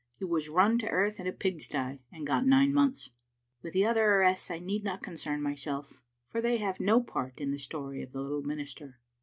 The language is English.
He was run to earth in a pig sty, and got nine months. With the other arrests I need not concern myself, for they have no part in the story of the little minister.